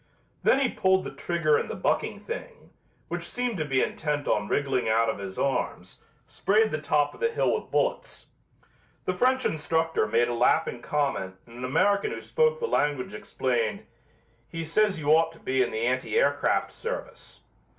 Then he pulled the trigger and the bucking thing, which seemed to be intent on wriggling out of his arms, sprayed the top of the hill with bullets. The French instructor made a laughing comment and an American who spoke the language explained, "He says you ought to be in the anti aircraft service."